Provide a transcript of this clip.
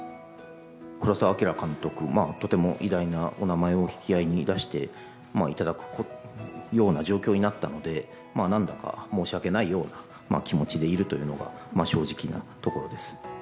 黒澤明監督、とても偉大なお名前を引き合いに出していただくような状況になったので、なんだか申し訳ないような気持でいるというのが、正直なところです。